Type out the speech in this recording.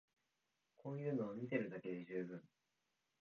こういうのは見てるだけで充分